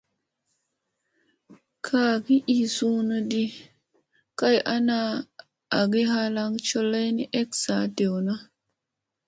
Kaagi ii suuna di kay ana aygi halaŋgi col ay nii ek saa dewna.